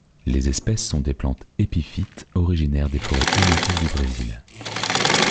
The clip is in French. Les espèces sont des plantes épiphytes originaires des forêts humides du Brésil.